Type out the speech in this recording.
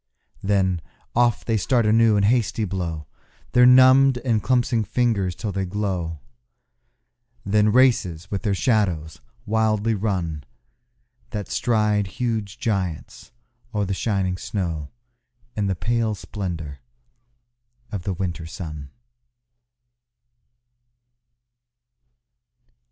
Then off they start anew and hasty blow Their numbed and clumpsing fingers till they glow; Then races with their shadows wildly run That stride huge giants o'er the shining snow In the pale splendour of the winter sun.